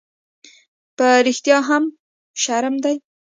_په رښتيا هم، شرم دی؟